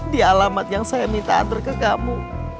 di alamat yang saya minta atur ke kamu